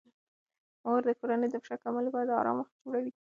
مور د کورنۍ د فشار کمولو لپاره د آرام وخت جوړوي.